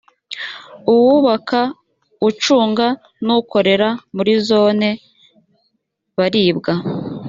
uwubaka ucunga n ukorera muri zone baribwa